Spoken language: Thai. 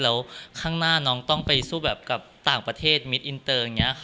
แล้วข้างหน้าน้องต้องไปสู้แบบกับต่างประเทศมิตรอินเตอร์